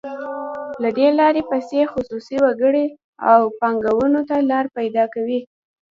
له دې لارې پیسې خصوصي وګړو او بانکونو ته لار پیدا کوي.